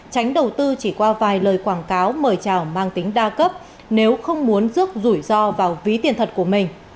tránh đầu tư chỉ qua vài lời quảng cáo mời trào mang tính đa cấp nếu không muốn rước rủi ro vào ví tiền thật của mình